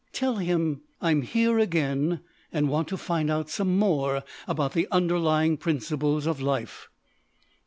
"Tell him I'm here again and want to find out some more about the underlying principles of life."